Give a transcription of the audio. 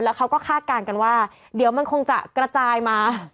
เขาก็คาดการณ์กันว่าเดี๋ยวมันคงจะกระจายมา